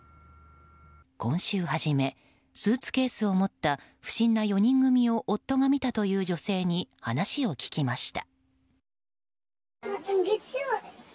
今週初め、スーツケースを持った不審な４人組を夫が見たという女性に話を聞きました。